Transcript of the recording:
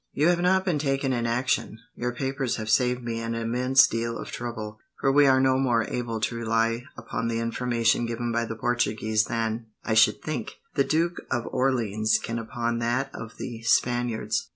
You have not been taken in action. Your papers have saved me an immense deal of trouble, for we are no more able to rely upon the information given by the Portuguese than, I should think, the Duke of Orleans can upon that of the Spaniards.